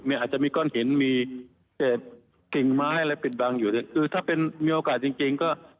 อาจจะมีก้อนเผ็ดเต็มมั้นอะไรปิดบังอยู่ถ้ามีโอกาสจริงก็